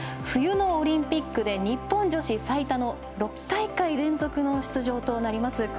冬のオリンピックで日本女子最多の６大会連続の出場となります。